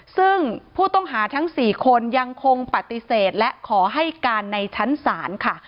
ซึ่งผู้ต้องหาทั้ง๔คนยังคงปฏิเสธและขอให้การในชั้นศาลค่ะ